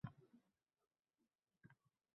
Ona qishlogʻim qiyofasi mutlaqo oʻzgargan.